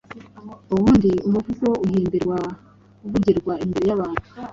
ubundi umuvugo uhimbirwa kuvugirwa imbere y’abantu;